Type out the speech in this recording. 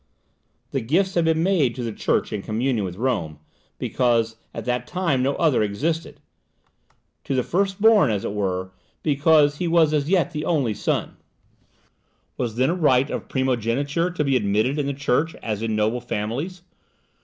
The gifts had been made to the church in communion with Rome, because at that time no other existed, to the first born, as it were, because he was as yet the only son. Was then a right of primogeniture to be admitted in the church, as in noble families?